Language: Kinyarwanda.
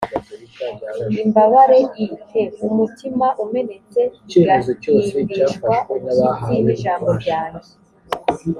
imbabare i te umutima umenetse igahindishwa umushyitsi n ijambo ryanjye